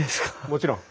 もちろん。